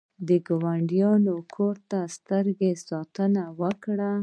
د ګاونډي کور ته د سترګو ساتنه وکړه